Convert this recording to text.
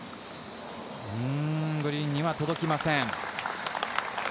うん、グリーンには届きません。